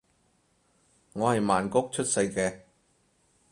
我係曼谷出世嘅